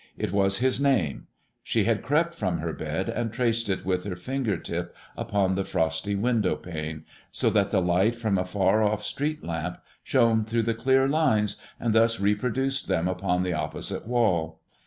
It was his name; she had crept from her bed and traced it with her finger tip upon the frosty window pane, so that the light from a far off street lamp shone through the clear lines, and thus reproduced them upon the opposite wall.